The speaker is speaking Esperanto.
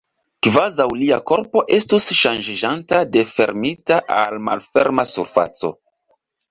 Kvazaŭ lia korpo estus ŝanĝiĝanta de fermita al malferma surfaco.